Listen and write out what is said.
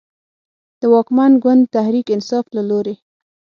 د واکمن ګوند تحریک انصاف له لورې